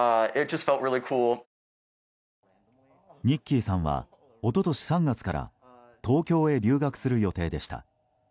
ニッキーさんは一昨年３月から東京へ留学する予定でした。